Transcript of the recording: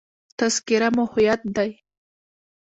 تذکره مو هویت دی.